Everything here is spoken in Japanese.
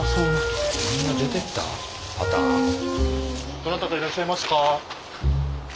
どなたかいらっしゃいますか？